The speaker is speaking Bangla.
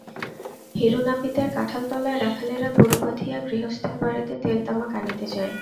হীরু নাপিতের কাঁঠালতলায় রাখালেরা গরু বাঁধিয়া গৃহস্থের বাড়িতে তেল-তামাক আনিতে যায়।